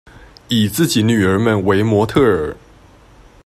以自己女兒們為模特兒